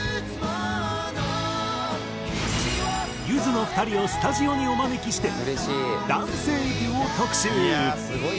ゆずの２人をスタジオにお招きして男性デュオ特集。